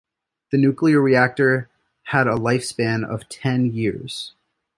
The nuclear reactor had a lifespan of ten years.